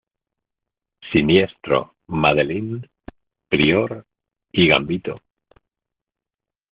Siniestro, Madelyne Pryor y Gambito.